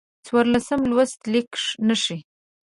څوارلسم لوست: لیک نښې